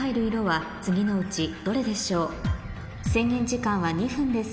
制限時間は２分です